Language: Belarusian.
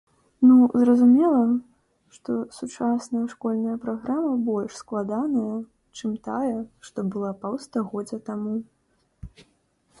Ну, зразумела, што сучасная школьная праграма больш складаная, чым тая, што была паўстагоддзя таму!